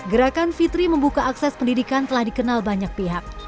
gerakan fitri membuka akses pendidikan telah dikenal banyak pihak